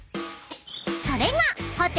［それが］